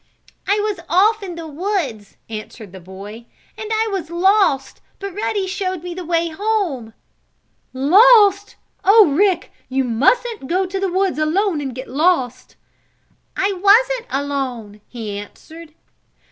"I was off in the woods," answered the boy. "And I was lost, but Ruddy showed me the way home." "Lost! Oh, Rick! You mustn't go to the woods alone and get lost!" "I wasn't alone," he answered.